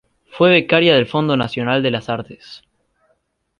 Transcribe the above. Fue becaria del Fondo Nacional de las Artes.